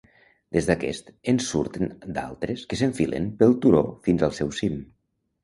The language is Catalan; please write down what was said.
Des d'aquest en surten d'altres que s'enfilen pel turó fins al seu cim.